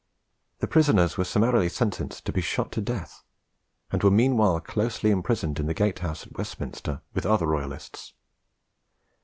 The prisoners were summarily sentenced to be shot to death, and were meanwhile closely imprisoned in the Gatehouse at Westminster, with other Royalists.